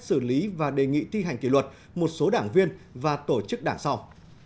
xử lý và đề nghị thi hành kỷ luật một số đảng viên và tổ chức đảng sau